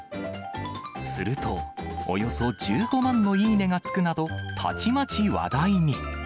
すると、およそ１５万のいいねがつくなど、たちまち話題に。